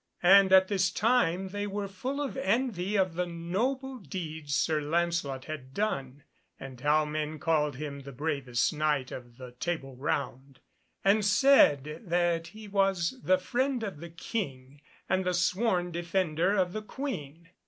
And at this time they were full of envy of the noble deeds Sir Lancelot had done, and how men called him the bravest Knight of the Table Round, and said that he was the friend of the King, and the sworn defender of the Queen.